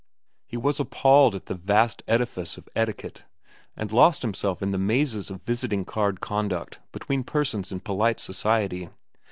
He was appalled at the vast edifice of etiquette, and lost himself in the mazes of visiting card conduct between persons in polite society.